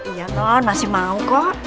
iya kan masih mau kok